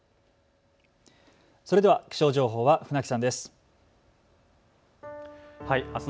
それでは気象情報は船木さんです。